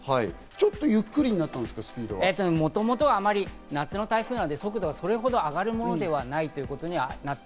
ちょっとゆっくりになったんもともと夏の台風なので速度がそれほど上がるわけではないということですね。